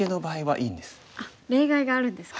例外があるんですか。